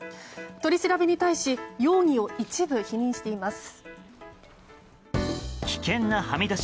取り調べに対し容疑を一部否認しています。